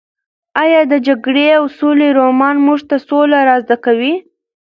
ایا د جګړې او سولې رومان موږ ته سوله را زده کوي؟